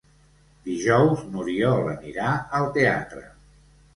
Dijous n'Oriol anirà al teatre.